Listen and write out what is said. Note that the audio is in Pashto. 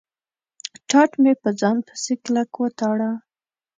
ټاټ مې په ځان پسې کلک و تاړه.